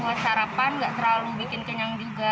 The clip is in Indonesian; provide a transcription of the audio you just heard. terus enak aja buat sarapan gak terlalu bikin kenyang juga